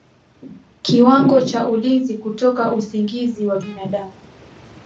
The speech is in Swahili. kiwango cha ulinzi kutoka usingizi wa binadamu